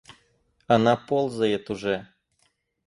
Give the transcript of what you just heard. Она ползает уже.